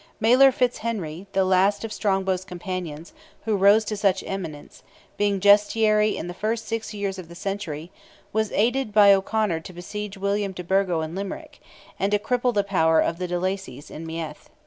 Mayler Fitz Henry, the last of Strongbow's companions, who rose to such eminence, being Justiciary in the first six years of the century, was aided by O'Conor to besiege William de Burgo in Limerick, and to cripple the power of the de Lacys in Meath.